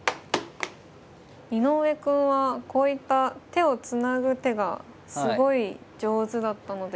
井上くんはこういった手をつなぐ手がすごい上手だったので。